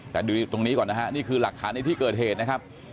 แต่ดูตรงนี้ก่อนนะฮะนี่คือหลักฐานในที่เกิดเหตุนะครับ